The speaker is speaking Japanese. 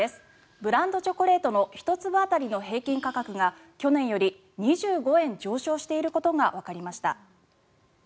ブランドチョコレートの１粒当たりの平均価格が去年より２５円上昇していることがわかりました。